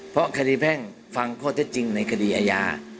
เพราะคดีแพ่งฟังข้อเท็จจริงในคดีอาญา